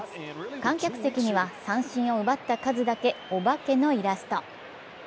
観客席には三振を奪った数だけお化けのイラスト。